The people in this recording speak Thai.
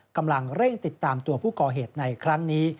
กำลังเร่งติดตามตัวผู้ก่อเหตุในครั้งนี้